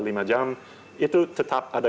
lima jam itu tetap ada